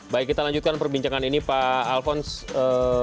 baik kita lanjutkan perbincangan ini pak alphonse